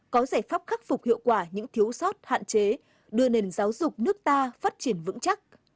có giải pháp khắc phục hiệu quả những thiếu sót hạn chế đưa nền giáo dục nước ta phát triển vững chắc